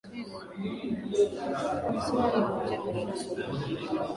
Amesema anakuja kesho asubuhi.